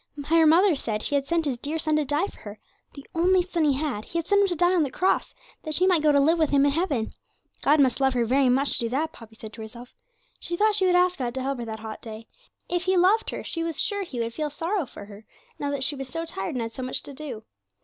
Her mother said He had sent His dear Son to die for her the only Son He had He had sent Him to die on the cross, that she might go to live with Him in heaven. God must love her very much to do that, Poppy said to herself. She thought she would ask God to help her that hot day, if He loved her she was sure He would feel sorrow for her, now that she was so tired and had so much to do.